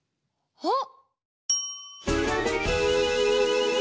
あっ！